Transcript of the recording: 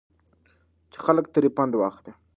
چې خلک ترې پند واخلي.